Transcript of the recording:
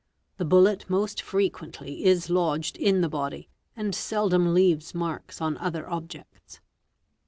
The bullet most frequently is 1d et in the body and seldom leaves marks on other objects.